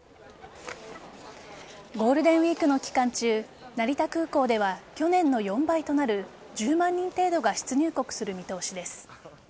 ゴールデンウイークの期間中成田空港では去年の４倍となる１０万人程度が出入国する見通しです。